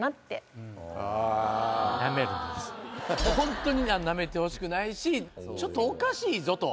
ホントにナメてほしくないしちょっとおかしいぞと。